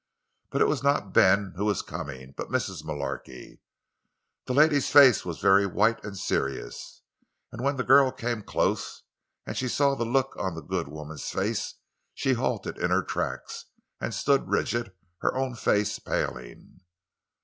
But it was not Ben who was coming, but Mrs. Mullarky. The lady's face was very white and serious, and when the girl came close and she saw the look on the good woman's face, she halted in her tracks and stood rigid, her own face paling.